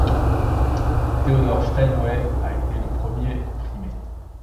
Theodore Steinway a été le premier primé.